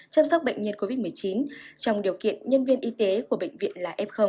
chăm sóc bệnh nhân covid một mươi chín trong điều kiện nhân viên y tế của bệnh viện là f